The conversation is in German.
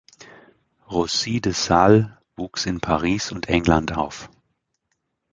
Roussy de Sales wuchs in Paris und England auf.